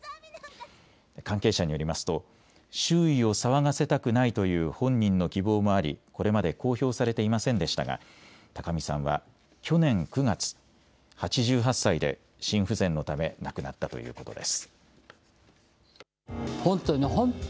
関係者によりますと周囲を騒がせたくないという本人の希望もあり、これまで公表されていませんでしたが高見さんは去年９月、８８歳で心不全のため亡くなったということです。